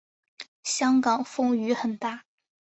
香港风雨很大